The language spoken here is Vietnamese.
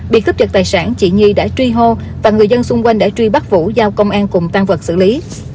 bị cướp giật tài sản chị nhi đã truy hô và người dân xung quanh đã truy bắt vũ giao công an cùng tan vật xử lý